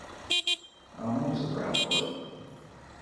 އަމާޒު ވަރަށް މޮޅު